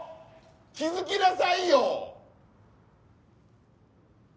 気づきなさいよ！